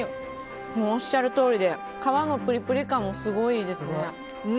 おっしゃるとおりで皮のプリプリ感もすごいですね。